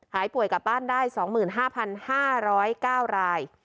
หายป่วยกลับบ้านได้๒๕๕๐๙ราย